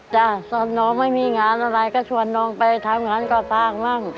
จ้ะส่วนน้องไม่มีงานอะไรก็ชวนน้องไปทำงานกว่าฟังบ้าง